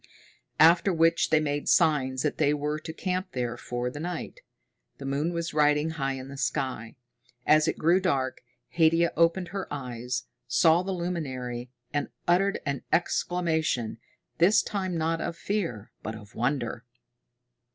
After which they made signs that they were to camp there for the night. The moon was riding high in the sky. As it grew dark, Haidia opened her eyes, saw the luminary, and uttered an exclamation, this time not of fear, but of wonder.